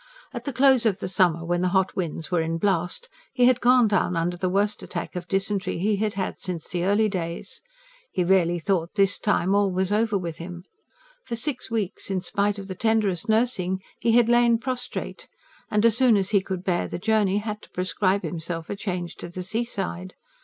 At the close of the summer, when the hot winds were in blast, he had gone down under the worst attack of dysentery he had had since the early days. He really thought this time all was over with him. For six weeks, in spite of the tenderest nursing, he had lain prostrate, and as soon as he could bear the journey had to prescribe himself a change to the seaside.